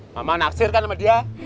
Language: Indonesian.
mama naksir kan sama dia